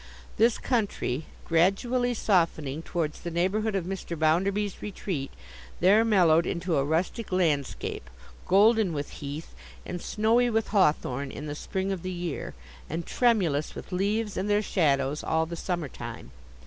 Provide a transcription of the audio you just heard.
This country, gradually softening towards the neighbourhood of Mr. Bounderby's retreat, there mellowed into a rustic landscape, golden with heath, and snowy with hawthorn in the spring of the year, and tremulous with leaves and their shadows all the summer time.